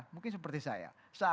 mungkin seperti saya